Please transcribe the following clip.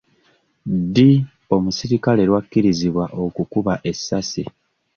Ddi omuserikale lwakkirizibwa okukuba essasi?